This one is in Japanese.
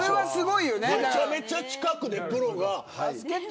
めちゃくちゃ近くでプロが。